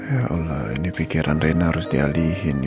ya allah ini pikiran rena harus dialihin